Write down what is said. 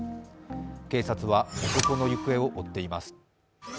警察は男の行方を追っています。